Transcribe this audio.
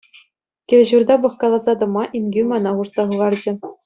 Кил-ҫурта пӑхкаласа тӑма инкӳ мана хушса хӑварчӗ.